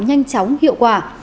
nhanh chóng hiệu quả